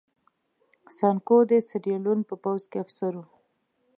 سانکو د سیریلیون په پوځ کې افسر و.